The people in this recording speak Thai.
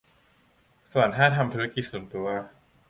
ส่วนถ้าทำธุรกิจส่วนตัว